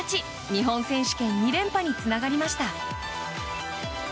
日本選手権２連覇につながりました。